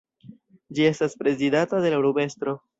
Ĝi estas prezidata de la urbestro.